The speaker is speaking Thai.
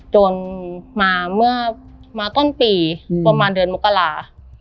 จนมาเมื่อมาต้นปีประมาณเดือนมกรา